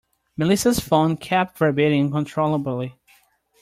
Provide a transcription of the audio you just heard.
Melissa's phone kept vibrating uncontrollably.